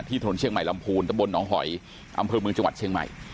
ถนนเชียงใหม่ลำพูนตะบลหนองหอยอำเภอเมืองจังหวัดเชียงใหม่